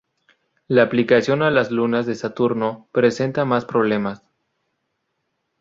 La aplicación a las lunas de Saturno presenta más problemas.